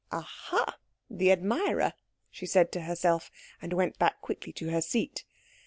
"Aha the admirer!" she said to herself; and went back quickly to her seat.